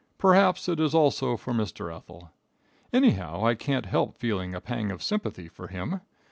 Perhaps it is also for Mr. Ethel. Anyhow, I can't help feeling a pang of sympathy for him.